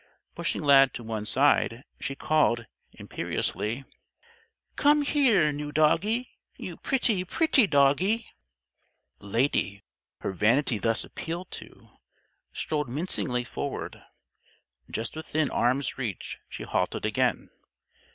Pushing Lad to one side, she called, imperiously: "Come here, new Doggie. You pretty, pretty Doggie!" Lady, her vanity thus appealed to, strolled mincingly forward. Just within arm's reach, she halted again.